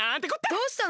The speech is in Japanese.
どうしたの？